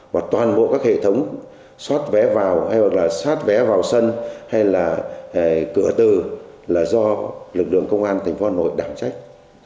và toàn bộ các hệ thống xoát vé vào hay hoặc là xoát vé vào sân hay là cửa từ là do lực lượng công an tp hà nội đảm trách